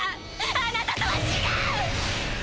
あなたとは違う！